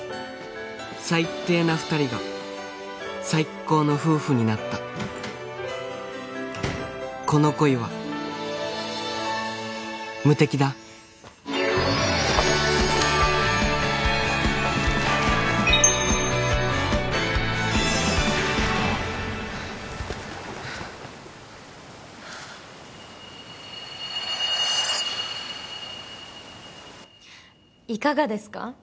最低な２人が最高の夫婦になったこの恋は無敵だいかがですか？